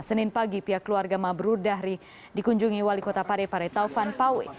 senin pagi pihak keluarga mabrur dahri dikunjungi wali kota parepare taufan pawe